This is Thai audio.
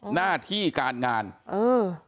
หน้าที่การงานเออ